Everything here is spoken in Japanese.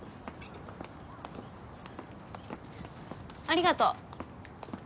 ありがとう。